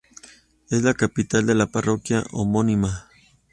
Es la capital de la parroquia homónima.